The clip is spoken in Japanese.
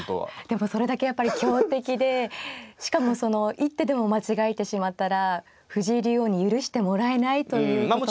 でもそれだけやっぱり強敵でしかもその一手でも間違えてしまったら藤井竜王に許してもらえないということも。